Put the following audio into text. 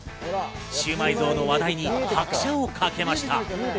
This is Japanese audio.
シウマイ像の話題に拍車をかけました。